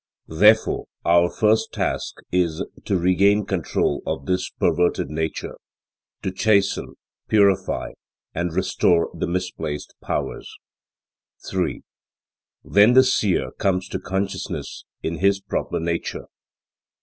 Therefore our first task is, to regain control of this perverted nature, to chasten, purify and restore the misplaced powers. 3. Then the Seer comes to consciousness in his proper nature.